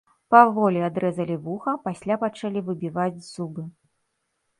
Паволі адрэзалі вуха, пасля пачалі выбіваць зубы.